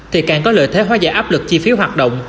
thì càng có lợi thế hóa giải áp lực chi phí hoạt động